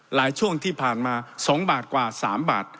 ช่วงที่ผ่านมา๒บาทกว่า๓บาท